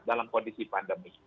dalam kondisi pandemi